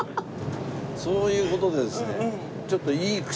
そういう事でですねちょっと。